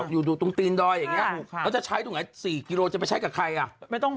อยู่ตรงตีนดอยอย่างนี้แล้วจะใช้ตรงไหน๔กิโลจะไปใช้กับใครอ่ะ